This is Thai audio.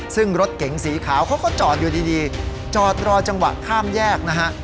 ซึ่งรถเก๋งสีขาวเขาก็จอดอยู่ดีจอดรอจังหวะข้ามแยกนะฮะ